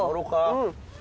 うん。